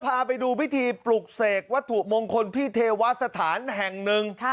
พาไปดูพิธีปลุกเสกวัตถุมงคลที่เทวสถานแห่งหนึ่ง